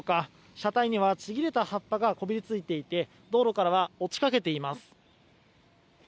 車体には、ちぎれた葉っぱがこびりついていて道路からは落ちかけています。